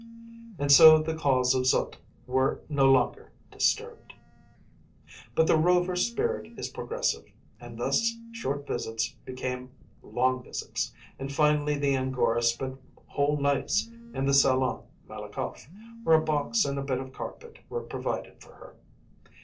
And so the calls of Zut were no longer disturbed. But the rover spirit is progressive, and thus short visits became long visits, and finally the angora spent whole nights in the Salon Malakoff, where a box and a bit of carpet were provided for her.